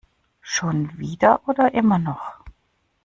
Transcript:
Schon wieder oder immer noch?